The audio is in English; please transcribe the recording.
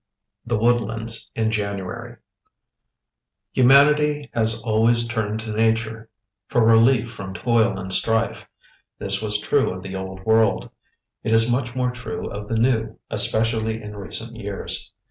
THE WOODLANDS IN JANUARY Humanity has always turned to nature for relief from toil and strife. This was true of the old world; it is much more true of the new, especially in recent years.